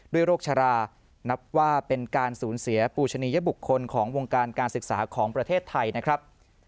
โรคชรานับว่าเป็นการสูญเสียปูชนียบุคคลของวงการการศึกษาของประเทศไทยนะครับ